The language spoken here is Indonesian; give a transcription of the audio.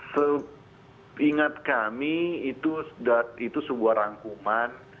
seingat kami itu sebuah rangkuman